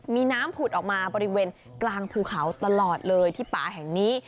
มีน้ำผุดออกมาบริเวณกลางภูเขาตลอดเลยที่ป่าแห่งนี้